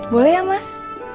boleh ya mas